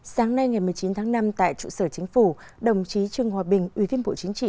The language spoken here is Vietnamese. sáng nay ngày một mươi chín tháng năm tại trụ sở chính phủ đồng chí trương hòa bình